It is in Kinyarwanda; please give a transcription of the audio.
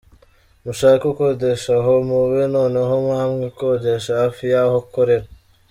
Mushake ukodesha aho muba noneho namwe ukodeshe hafi yaho ukorera.